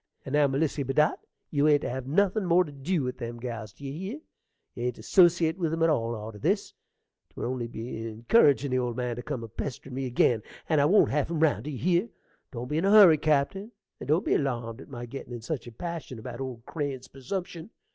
And now, Melissy Bedott, you ain't to have nothin' more to dew with them gals, d'ye hear? You ain't to 'sociate with 'em at all arter this: 'twould only be incurridgin' the old man to come a pesterin' me ag'in; and I won't have him round, d'ye hear? Don't be in a hurry, cappen, and don't be alarmed at my gettin' in such a passion about old Crane's persumption.